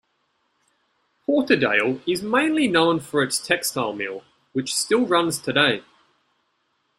Porterdale is mainly known for its textile mill which still runs today.